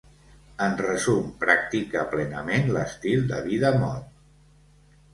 En resum, practica plenament l'estil de vida mod.